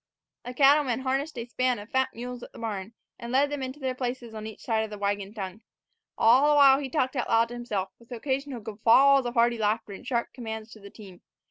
The cattleman harnessed a span of fat mules at the barn, and led them into their places on each side of a wagon tongue. All the while he talked out loud to himself, with occasional guffaws of hearty laughter and sharp commands to the team.